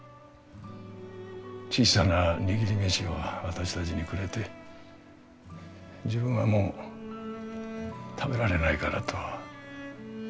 小さな握り飯を私たちにくれて自分はもう食べられないからと。